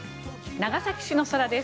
長崎市の空です。